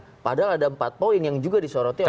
tapi kalau ada empat poin yang juga disoroti oleh masyarakat